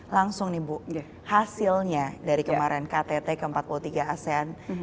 langsung nih bu hasilnya dari kemarin ktt ke empat puluh tiga asean